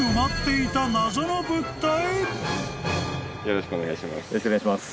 よろしくお願いします。